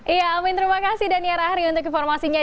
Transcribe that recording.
iya amin terima kasih dania rahari untuk informasinya